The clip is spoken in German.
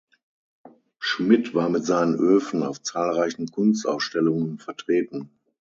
Schmidt war mit seinen Öfen auf zahlreichen Kunstausstellungen vertreten.